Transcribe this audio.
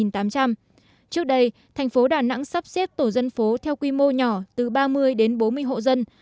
trước đây thành phố đà nẵng sắp xếp tổ dân phố theo quy mô nhỏ từ ba mươi đến bốn mươi hộ dân